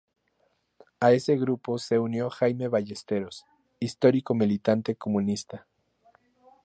A ese grupo se unió Jaime Ballesteros, histórico militante comunista.